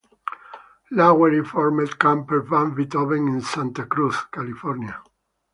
Lowery formed Camper Van Beethoven in Santa Cruz, California.